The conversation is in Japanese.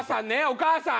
お母さん！